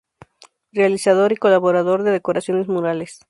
Realizador y colaborador de decoraciones murales.